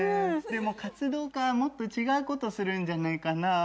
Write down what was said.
でも活動家はもっと違うことするんじゃないかな。